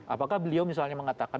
apakah beliau misalnya mengatakan